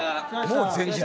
「もう前日」